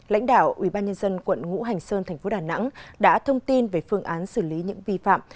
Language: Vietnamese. lãnh đạo ủy ban nhân dân quận ngũ hành sơn tp đà nẵng đã thông tin về phương án xử lý những vi phạm